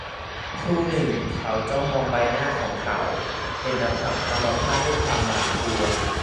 ครู่หนึ่งเขาจ้องมองใบหน้าของเขา - เป็นอัมพาตด้วยความกลัว